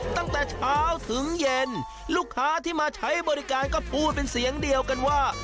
ตั้งแต่เช้าถึงเย็นลูกค้าที่มาใช้บริการก็พูดเป็นเสียงเดียวกันว่า